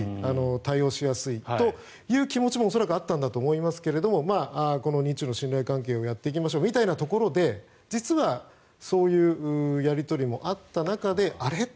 対応しやすいという気持ちも恐らくあったんだと思いますが日中の信頼関係をやっていきましょうみたいなところで実は、そういうやり取りもあった中であれ？